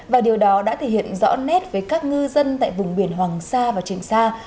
và điều đó đã thể hiện rõ nét với các ngư dân tại vùng biển hoàng sa và trường sa